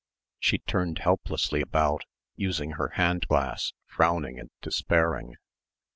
... She turned helplessly about, using her hand glass, frowning and despairing.